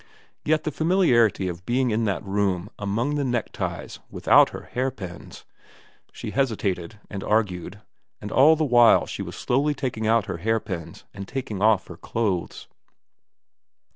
Yet the familiarity of being in that room among the neckties without her hairpins. ... She hesitated, and argued, and all the while she was slowly taking out her hairpins and taking off her clothes.